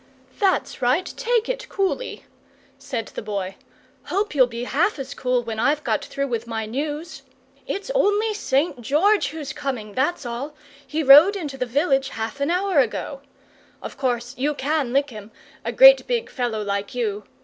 "That's right, take it coolly," said the Boy. "Hope you'll be half as cool when I've got through with my news. It's only St. George who's coming, that's all; he rode into the village half an hour ago. Of course you can lick him a great big fellow like you!